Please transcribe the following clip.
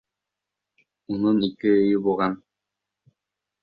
Уның ике өйө булған.